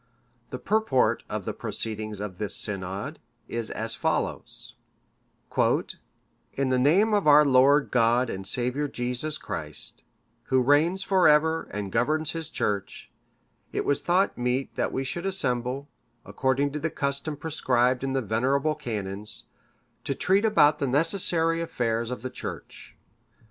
The purport of the proceedings of this synod is as follows:—(564) "In the name of our Lord God and Saviour Jesus Christ, Who reigns for ever and governs His Church, it was thought meet that we should assemble, according to the custom prescribed in the venerable canons, to treat about the necessary affairs of the Church.